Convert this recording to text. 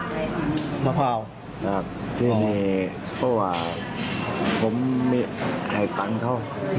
ขอบครับที่นี่ก็ว่าผมให้ตังค์เขา